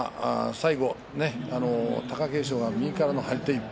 最後、貴景勝が右からの張り手１発。